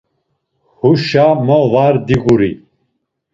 Huşa mo var diguri?